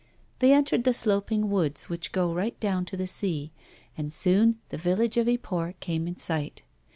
They entered the sloping woods which go right down to the sea, and soon the village of Yport came in sight.